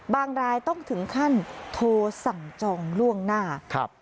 รายต้องถึงขั้นโทรสั่งจองล่วงหน้า